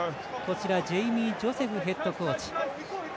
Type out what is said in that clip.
ジェイミー・ジョセフヘッドコーチ。